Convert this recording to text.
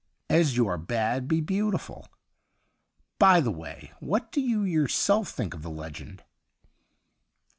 As you are bad, be beautiful. By the way, what do you yourself think of the legend